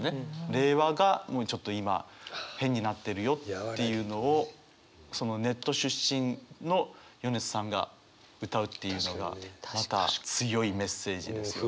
令和がもうちょっと今変になってるよっていうのをそのネット出身の米津さんが歌うっていうのがまた強いメッセージですよね。